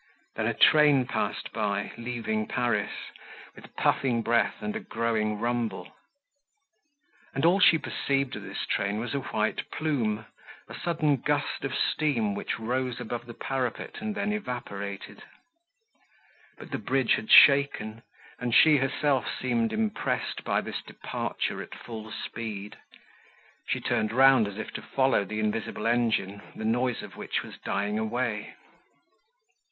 Then a train passed by, leaving Paris, with puffing breath and a growing rumble. And all she perceived of this train was a white plume, a sudden gust of steam which rose above the parapet and then evaporated. But the bridge had shaken, and she herself seemed impressed by this departure at full speed. She turned round as if to follow the invisible engine, the noise of which was dying away.